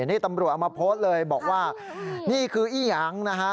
นี่ตำรวจเอามาโพสต์เลยบอกว่านี่คืออี้ยังนะฮะ